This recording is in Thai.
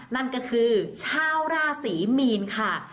นั่นก็คือชาวราศรีมีนค่ะ